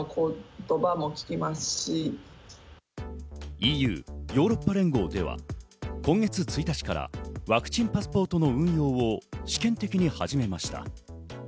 ＥＵ＝ヨーロッパ連合では、今月１日からワクチンパスポートの運用を試験的に始めました。